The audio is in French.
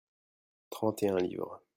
trente et un livres.